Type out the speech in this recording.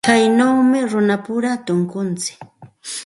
Kaynawmi runapura tunkuntsik.